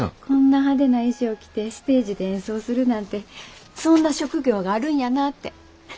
こんな派手な衣装着てステージで演奏するなんてそんな職業があるんやなあって。